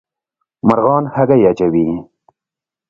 مرغان هګۍ اچوي